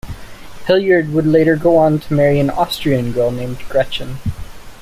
Hilliard would later go on to marry an Austrian girl named Gretchen.